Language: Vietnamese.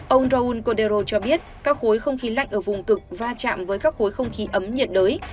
ông roul condero cho biết các khối không khí lạnh ở vùng cực va chạm với các khối không khí ấm nhiệt đới